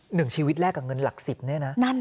หนึ่งชีวิตแรกกับเงินหลักสิบเนี่ยนะ